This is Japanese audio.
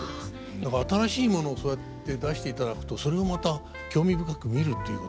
何か新しいものをそうやって出していただくとそれをまた興味深く見るということができるので。